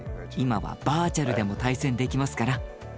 今はバーチャルでも対戦できますから。